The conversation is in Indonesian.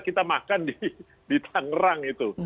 kita makan di tangerang itu